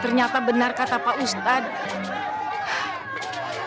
ternyata benar kata pak ustadz